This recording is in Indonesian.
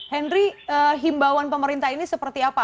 henry himbawan pemerintah ini seperti apa